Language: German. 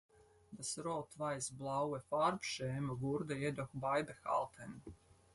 Das rot-weiß-blaue Farbschema wurde jedoch beibehalten.